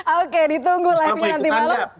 oke ditunggu livenya nanti malam